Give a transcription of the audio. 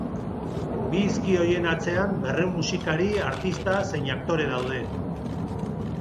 Bi hizki horien atzean berrehun musikari, artista zein aktore daude.